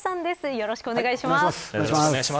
よろしくお願いします。